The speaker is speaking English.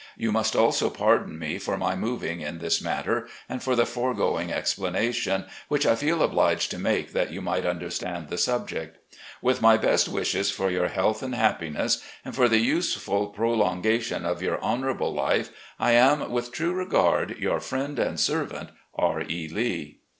You must also pardon me for my moving in this matter, and for the foregoing explanation, which I feel obliged to make that you might understand the subject. "With my best wishes for your health and happiness and for the useful prolongation of your honourable life, I am, with true regard, " Your friend and servant, "R. E. Lee."